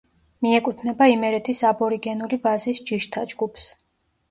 მიეკუთვნება იმერეთის აბორიგენული ვაზის ჯიშთა ჯგუფს.